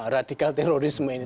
radikal terorisme ini